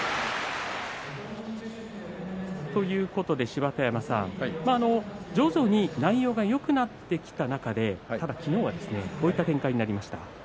芝田山さん、徐々に内容がよくなってきた中で昨日は、こういった展開になりました。